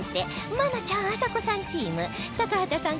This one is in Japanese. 愛菜ちゃんあさこさんチーム高畑さん